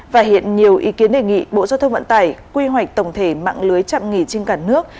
và hiện nhiều ý kiến đề nghị bộ giao thông vận tải quy hoạch tổng thể mạng lưới chạm nghỉ trên cả nước